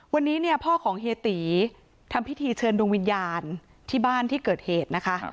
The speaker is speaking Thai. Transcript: วันนี้เนี่ยพ่อของเฮียตีทำพิธีเชิญดวงวิญญาณที่บ้านที่เกิดเหตุนะคะ